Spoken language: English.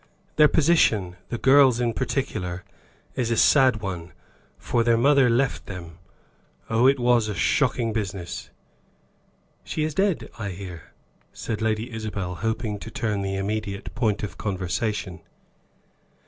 "Their position the girl's in particular is a sad one, for their mother left them. Oh, it was a shocking business!" "She is dead, I hear," said Lady Isabel hoping to turn the immediate point of conversation.